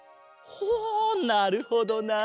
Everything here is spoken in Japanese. ほうなるほどなあ。